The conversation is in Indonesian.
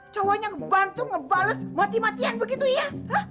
cowoknya ngebantu ngebales mati matian begitu ya